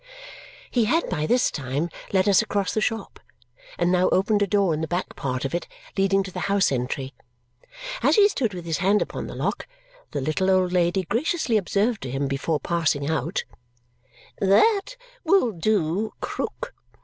He had by this time led us across the shop, and now opened a door in the back part of it, leading to the house entry. As he stood with his hand upon the lock, the little old lady graciously observed to him before passing out, "That will do, Krook.